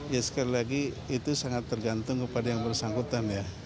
ya sekali lagi itu sangat tergantung kepada yang bersangkutan ya